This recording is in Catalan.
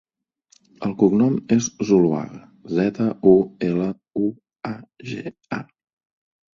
El cognom és Zuluaga: zeta, u, ela, u, a, ge, a.